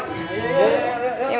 yuk kita kerja lagi yuk